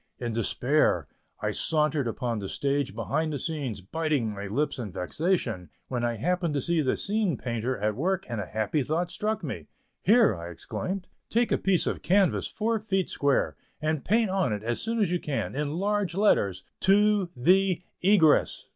In despair I sauntered upon the stage behind the scenes, biting my lips with vexation, when I happened to see the scene painter at work and a happy thought struck me: "Here," I exclaimed, "take a piece of canvas four feet square, and paint on it, as soon as you can, in large letters ☞TO THE EGRESS."